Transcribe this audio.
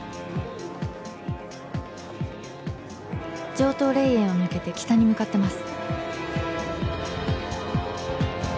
「城東霊園を抜けて北に向かってます」。